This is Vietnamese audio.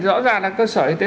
rõ ràng là cơ sở y tế